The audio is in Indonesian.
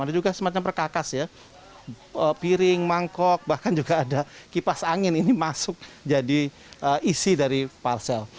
ada juga semacam perkakas ya piring mangkok bahkan juga ada kipas angin ini masuk jadi isi dari palsel